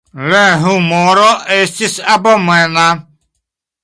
La humoro estis abomena.